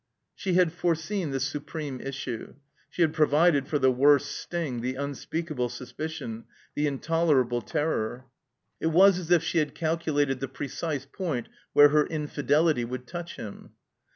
She had foreseen the supreme issue; she had pro vided for the worst sting, the tmspeakable suspicion, the intolerable terror. It was as if she had calculated the precise point where her infidelity would touch him.